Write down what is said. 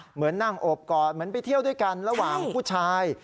เหมือนนั่งโอบกอดเหมือนไปเที่ยวด้วยกันระหว่างผู้ชาย